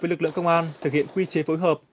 với lực lượng công an thực hiện quy chế phối hợp